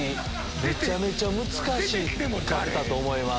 めちゃめちゃ難しかったと思います。